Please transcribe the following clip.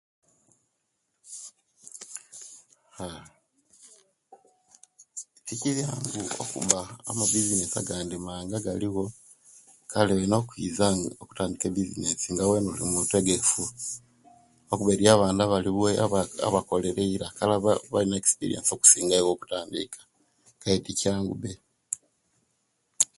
Haa tibyangu okuba amabisinesi mangi agandi agaliwo kale olino okwiiza okutandika ebisinesi nga wena olimutegefu okuba eriyo abandi abaliwo abakolere eyira balina ekisipiriensi okusinga iye olikutandika kale tikyangu be